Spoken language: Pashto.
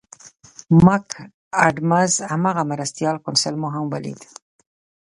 مک اډمز هماغه مرستیال کونسل مو هم ولید.